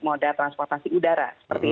moda transportasi udara